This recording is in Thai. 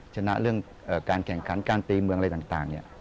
ชนะเรื่องการแข่งขันการตีเมืองอะไรต่างเนี่ย